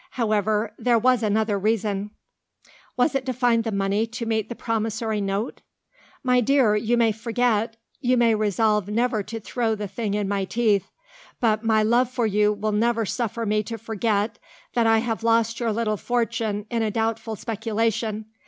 However, there was another reason." "Was it to find the money to meet the promissory note?" "My dear, you may forget you may resolve never to throw the thing in my teeth; but my love for you will never suffer me to forget that I have lost your little fortune in a doubtful speculation.